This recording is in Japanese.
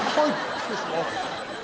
失礼します。